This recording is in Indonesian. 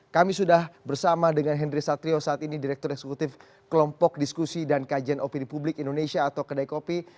kami sudah bersama dengan henry satrio saat ini direktur eksekutif kelompok diskusi dan kajian opini publik indonesia atau kedai kopi